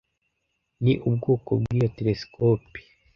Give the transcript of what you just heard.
ni ubwoko bwiyo Telesikopi